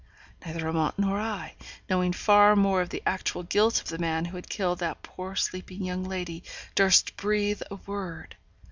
Neither Amante nor I, knowing far more of the actual guilt of the man who had killed that poor sleeping young lady, durst breathe a word.